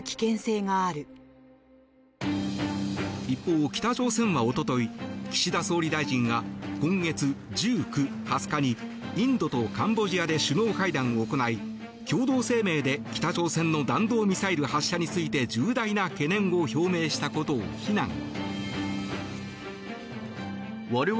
一方、北朝鮮はおととい岸田総理大臣が今月１９、２０日にインドとカンボジアで首脳会談を行い共同声明で北朝鮮の弾道ミサイル発射について重大な懸念を表明したことを非難。